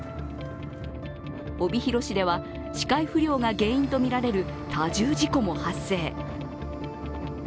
帯広市で視界不良が原因とみられる多重事故も発生。